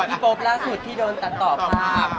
พี่โป๊บล่าสุดที่โดนตันตอบภาพ